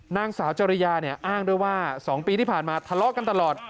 นางสาวจริยาเนี่ยอ้างด้วยว่า๒ปีที่ผ่านมาทะเลาะกันตลอด